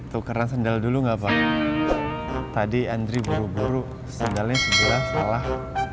tukeran sendal dulu enggak pak tadi andri buru buru sendalnya sebelah salah